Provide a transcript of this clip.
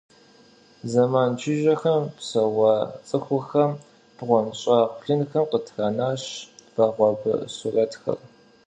Зэман жыжьэхэм псэуа цӏыхухэм бгъуэнщӏагъ блынхэм къытранащ вагъуэбэ сурэтхэр.